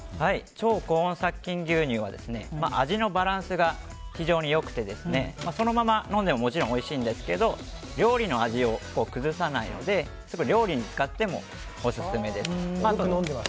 超高温殺菌牛乳は味のバランスが非常に良くてそのまま飲んでももちろんおいしいんですけど料理の味を崩さないので料理に使ってもオススメです。